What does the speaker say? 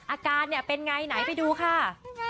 อาการเนี่ยเป็นไงไหนไปดูค่ะ